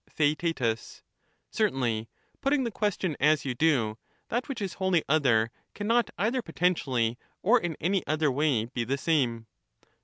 Theaet Certainly, putting the question as you do, that 159 which is wholly other cannot either potentially or in any other way be the same.